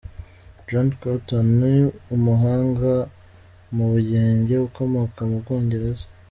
John Canton, umuhanga mu Bugenge ukomoka mu Bwongereza.